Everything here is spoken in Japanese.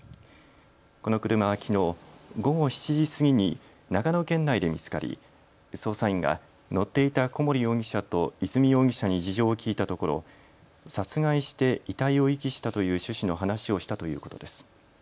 この車はきのう午後７時過ぎに長野県内で見つかり捜査員が乗っていた小森容疑者と和美容疑者に事情を聴いたところ殺害して遺体を遺棄したという趣旨の話をしたということです。